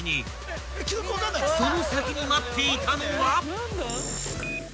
［その先に待っていたのは］